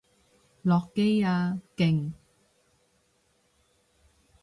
落機啊！勁！